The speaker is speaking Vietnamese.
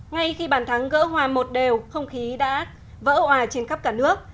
ngay khi bàn thắng gỡ hòa một đều không khí đã vỡ hòa trên khắp cả nước